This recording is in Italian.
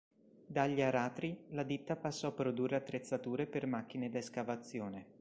Dagli aratri, la ditta passò a produrre attrezzature per macchine da escavazione.